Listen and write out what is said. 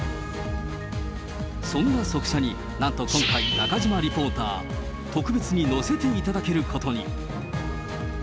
そんな側車に、なんと今回、中島リポーター、特別に乗せていただけることに。